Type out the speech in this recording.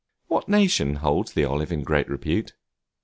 What nation holds the olive in great repute?